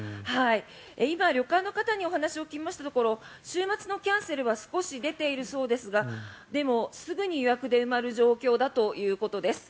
今、旅館の方にお話を聞きましたところ週末のキャンセルは少し出ているそうですがでも、すぐに予約で埋まる状況だということです。